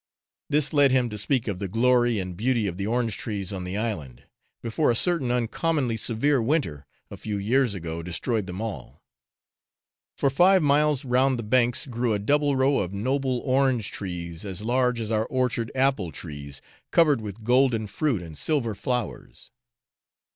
This led him to speak of the glory and beauty of the orange trees on the island, before a certain uncommonly severe winter, a few years ago, destroyed them all. For five miles round the banks grew a double row of noble orange trees, as large as our orchard apple trees, covered with golden fruit, and silver flowers.